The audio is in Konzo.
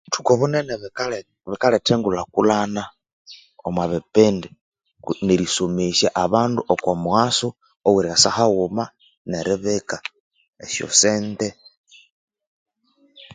Obuthuku obunene bikaletha engulha kulhana omwa bipindi nerisomesa abandu okwamughaso we'ryasa haghuma neribika esyosente